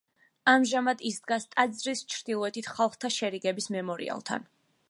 ამჟამად ის დგას ტაძრის ჩრდილოეთით „ხალხთა შერიგების“ მემორიალთან.